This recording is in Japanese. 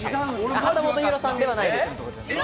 秦基博さんではないです。